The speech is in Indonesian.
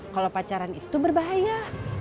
kalau pacaran itu berbahaya